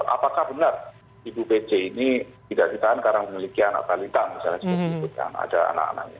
apakah benar ibu pc ini tidak ditahan karena memiliki anak balita misalnya